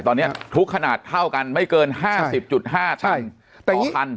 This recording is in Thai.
ตอนเนี้ยทุกขนาดเท่ากันไม่เกินห้าสิบจุดห้าชั้นใช่ต่อคัน